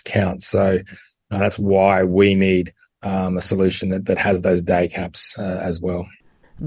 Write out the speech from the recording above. jadi itulah mengapa kami membutuhkan solusi yang memiliki jumlah hari yang lebih tinggi